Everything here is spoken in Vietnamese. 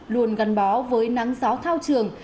luôn gần bó với nắng gió thao trường